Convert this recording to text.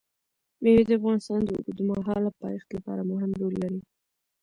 مېوې د افغانستان د اوږدمهاله پایښت لپاره مهم رول لري.